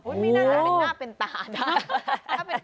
อุ๊ยมีหน้าเป็นหน้าเป็นตานะถ้าเป็นคุณชนะอันนี้ค่ะ